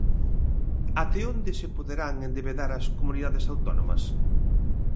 Até onde se poderán endebedar as comunidades autónomas?